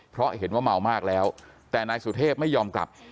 เพราะเห็นว่าเมามากแล้วแต่นายสุเทพไม่ยอมกลับ